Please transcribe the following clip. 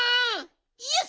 よし！